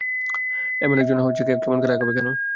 একজন একজন করে আগাবে, কেমন?